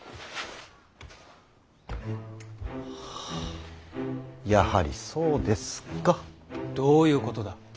はあやはりそうですか。どういうことだ。